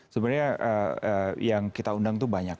sebenarnya yang kita undang itu banyak